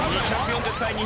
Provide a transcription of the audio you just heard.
２４０対